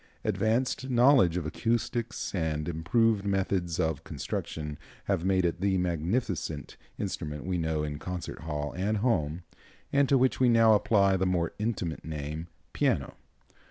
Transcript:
Advanced knowledge of acoustics and improved methods of construction have made it the magnificent instrument we know in concert hall and home, and to which we now apply the more intimate name, piano.